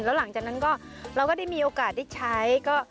แล้วหลังจากนั้นก็เราก็ได้มีโอกาสได้ใช้